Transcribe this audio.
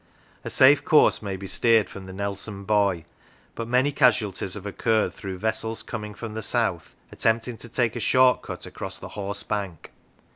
A safe course may be steered from the Nelson buoy, but many casualties have occurred through vessels coming from the south attempting to take a short cut across the Horse Bank.